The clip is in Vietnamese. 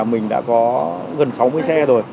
mình đã có gần sáu mươi xe rồi